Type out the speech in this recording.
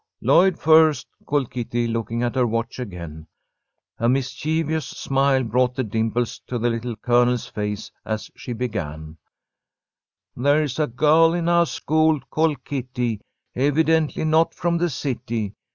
"Lloyd first," called Kitty, looking at her watch again. A mischievous smile brought the dimples to the Little Colonel's face as she began: "There's a girl in our school called Kitty, Evidently not from the city.